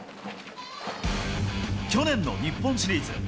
去年の日本シリーズ。